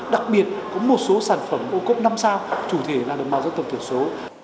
đặc biệt có một số sản phẩm ô cốp năm sao chủ thể là đồng bào dân tộc thiểu số